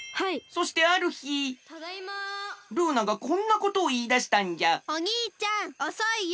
そしてあるひルーナがこんなことをいいだしたんじゃおにいちゃんおそいよ！